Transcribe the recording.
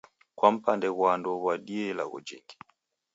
Kwa mpande ghwa ndouw'adie ilagho jingi.